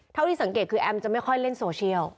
เท่าที่สังเกตคือแอมจะไม่ค่อยเล่นโซเชียล